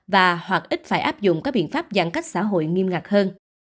và hoặc ít phải áp dụng các biện pháp giãn cách xã hội nghiêm ngặt hơn